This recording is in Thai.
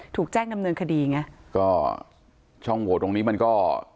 ถูกแจ้งดำเนินคดีไงก็ช่องโหวตตรงนี้มันก็